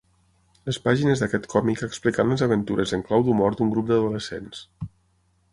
Les pàgines d'aquest còmic explicant les aventures en clau d'humor d'un grup d'adolescents.